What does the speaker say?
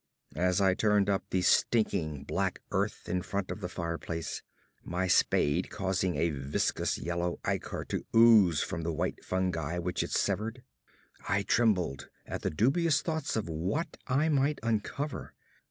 As I turned up the stinking black earth in front of the fireplace, my spade causing a viscous yellow ichor to ooze from the white fungi which it severed, I trembled at the dubious thoughts of what I might uncover.